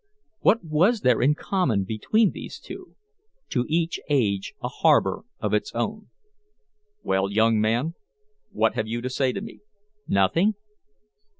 What was there in common between these two? To each age a harbor of its own. "Well, young man, what have you to say to me?" "Nothing."